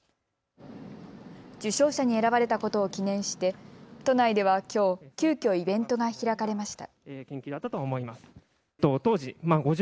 受賞者に選ばれたことを記念して都内ではきょう、急きょイベントが開かれました。